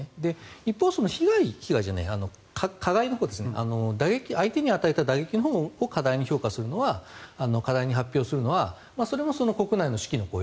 一方、加害のほうですね相手に与えた打撃のほうを過大に評価する過大に発表するのはそれも国内の士気の高揚